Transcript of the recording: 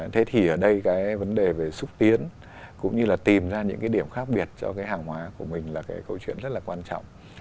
thế thì ở đây cái vấn đề về xúc tiến cũng như là tìm ra những cái điểm khác biệt cho cái hàng hóa của mình là cái câu chuyện rất là quan trọng